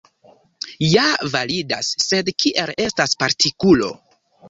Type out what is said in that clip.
Ja validas, sed kiel estas partikulo.